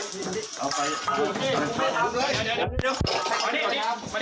ปิดทางแก๊สก่อนปิดทางแก๊สปิดทางแก๊ส